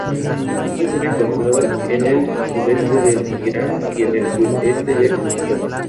Puede ser encontrada en el sudeste del Irán y en el sudoeste de Pakistán.